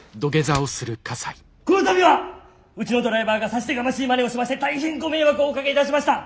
この度はうちのドライバーが差し出がましいまねをしまして大変ご迷惑をおかけいたしました！